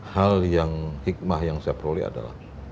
hal yang hikmah yang saya peroleh adalah